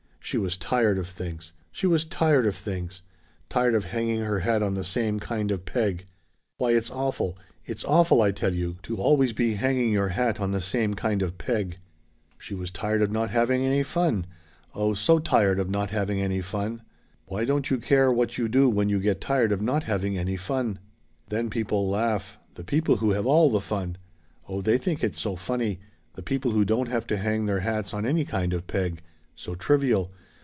"She was tired of things! She was tired of things! Tired of hanging her hat on the same kind of peg! Why it's awful it's awful, I tell you to always be hanging your hat on the same kind of peg! "She was tired of not having any fun! Oh so tired of not having any fun! Why you don't care what you do when you get tired of not having any fun! "Then people laugh the people who have all the fun. Oh they think it's so funny! the people who don't have to hang their hats on any kind of peg. So trivial.